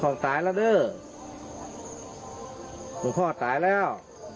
ของตายล่ะเด้อหลวงพ่อตายแล้ว